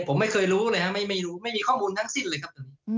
ผมไม่เคยรู้ไม่มีข้อมูลทั้งสิ้นเลยครับ